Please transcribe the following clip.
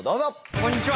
こんにちは！